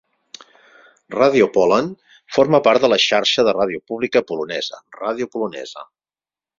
Ràdio Poland forma part de la xarxa de ràdio pública polonesa - Radio Polonesa.